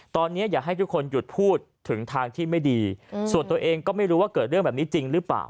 ตอนนี้อยากให้ทุกคนหยุดพูดถึงทางที่ไม่ดีส่วนตัวเองก็ไม่รู้ว่าเกิดเรื่องแบบนี้จริงหรือเปล่า